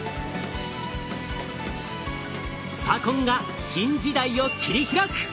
スパコンが新時代を切り開く！